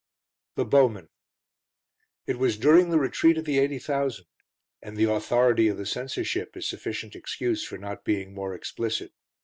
The Bowmen It was during the Retreat of the Eighty Thousand, and the authority of the Censorship is sufficient excuse for not being more explicit.